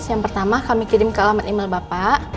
yang pertama kami kirim ke alamat email bapak